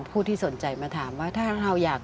ผู้ที่สนใจมาถามว่าถ้าเราอยาก